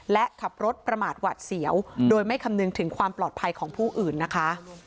และขับรถประมาทหวัดเสียวโดยไม่คำนึงถึงความปลอดภัยของผู้อื่นนะคะ